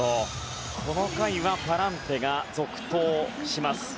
この回はパランテが続投します。